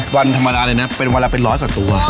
วันธรรมดาเลยนะเป็นวันละเป็นร้อยกว่าตัว